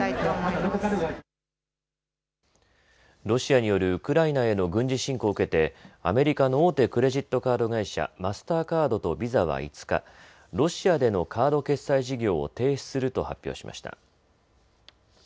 ロシアによるウクライナへの軍事侵攻を受けてアメリカの大手クレジットカード会社、マスターカードとビザは５日、ロシアでのカード決済事業を停止すると発表しました。